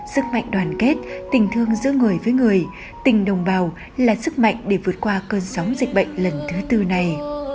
sức mạnh đoàn kết tình thương giữa người với người tình đồng bào là sức mạnh để vượt qua cơn sóng dịch bệnh lần thứ tư này